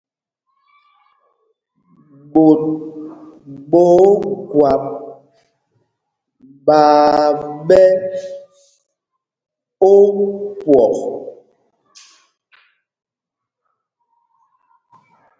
Ɓot ɓɛ̄ Ogwáp ɓaa ɓɛ̌ ópwɔk.